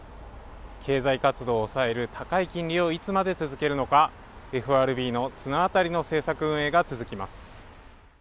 経済活動を抑える高い金利をいつまで続けるのか、ＦＲＢの綱渡りの政策運営が続きます。